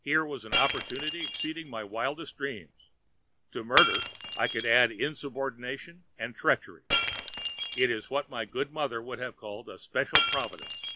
Here was an opportunity exceeding my wildest dreams—to murder I could add insubordination and treachery. It was what my good mother would have called 'a special Providence.'